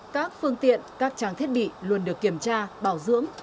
các phương tiện các trang thiết bị luôn được kiểm tra bảo dưỡng